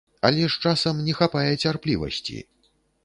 Але ж часам не хапае цярплівасці.